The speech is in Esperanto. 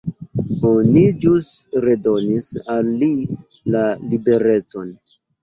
Oni ĵus redonis al li la liberecon.